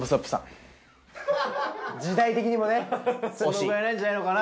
時代的にもねそのくらいなんじゃないのかな。